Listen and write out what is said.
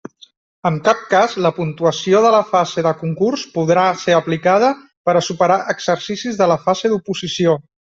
En cap cas la puntuació de la fase de concurs podrà ser aplicada per a superar exercicis de la fase d'oposició.